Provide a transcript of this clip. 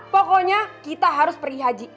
pokoknya kita harus perih haji